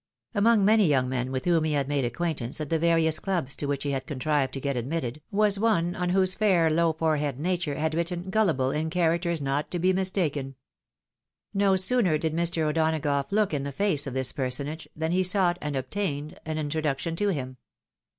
Among many young men with whom he had made acquaint ance at the various clubs to which he had contrived to get admitted, was one on whose fair low forehead nature had written gullible in characters not to be mistaken. No sooner did Mr. O'Donagough look in the face of this personage than he sought and obtained an introduction to him.